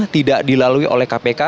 tidak dilalui oleh kpk